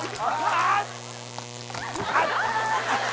あっ。